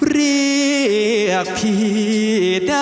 เรียกพี่แล้ว